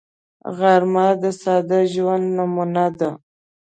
غرمه د ساده ژوند نمونه ده